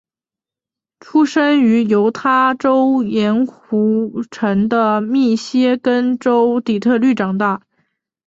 出生于犹他州盐湖城在密歇根州底特律长大。